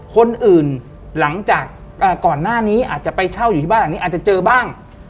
คนอื่นหลังจากก่อนหน้านี้อาจจะไปเช่าอยู่ที่บ้านหลังนี้อาจจะเจอบ้าง